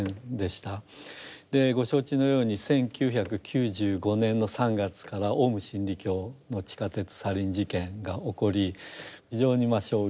ご承知のように１９９５年の３月からオウム真理教の地下鉄サリン事件が起こり非常に衝撃を受けまして。